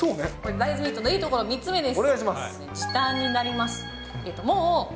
大豆ミートのいいところ３つ目です。